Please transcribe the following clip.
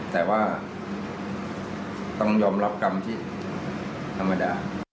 แต่ว่าต้องยอมรับกรรมที่ธรรมดา